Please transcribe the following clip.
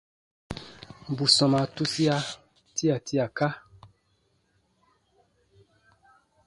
Bù sɔmaa tusia tia tiaka.